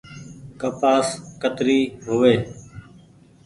ڪپآس ڪتري هووي ۔